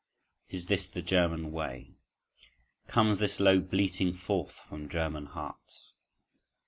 Is this the German way? Comes this low bleating forth from German hearts?